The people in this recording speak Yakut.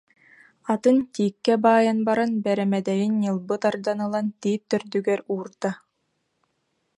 Атын тииккэ баайан баран, бэрэмэ- дэйин ньылбы тардан ылан тиит төрдүгэр уурда